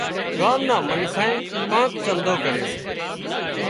ڳام نان منکانئين ڪانڪ چندو ڪريو